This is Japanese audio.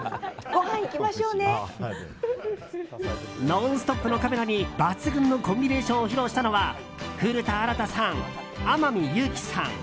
「ノンストップ！」のカメラに抜群のコンビネーションを披露したのは古田新太さん、天海祐希さん